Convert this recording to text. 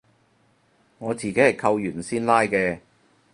我自己係扣完先拉嘅